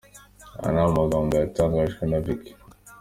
Aya ni amagambo yatangajwe na Vikki.